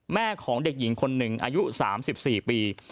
แม่ของเด็กหญิงคนหนึ่งอายุ๓๔ปี